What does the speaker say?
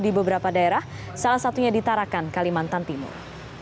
di beberapa daerah salah satunya di tarakan kalimantan timur